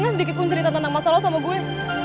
ini sedikit pun cerita tentang masalah sama gue